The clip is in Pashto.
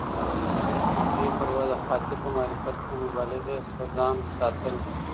د خطبې پر وخت د خاطب په معرفت کي له مبالغې څخه ځان ساتل